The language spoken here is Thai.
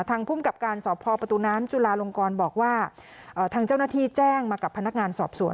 ภูมิกับการสอบพอประตูน้ำจุลาลงกรบอกว่าทางเจ้าหน้าที่แจ้งมากับพนักงานสอบสวน